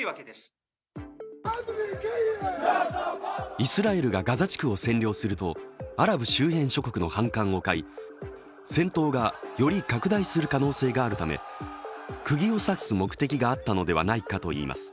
イスラエルがガザ地区を占領するとアラブ周辺諸国の反感を買い、戦闘がより拡大する可能性があるため、くぎを刺す目的があったのではないかといいます。